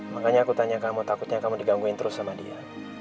makanya aku tanya kamu takutnya kamu digangguin terus sama dia